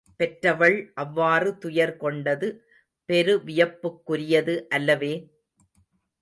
பெற்றவள் அவ்வாறு துயர்கொண்டது பெருவியப்புக்குரியது அல்லவே?